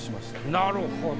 なるほど。